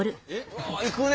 わ行くね！